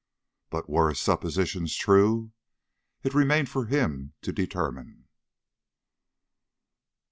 But were his suppositions true? It remained for him to determine.